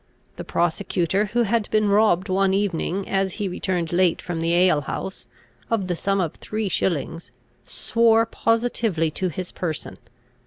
The prosecutor, who had been robbed one evening, as he returned late from the alehouse, of the sum of three shillings, swore positively to his person.